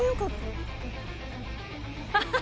アハハハ。